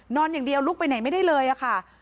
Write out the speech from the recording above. นอนอย่างเดียวลุกไปไหนไม่ได้เลยค่ะ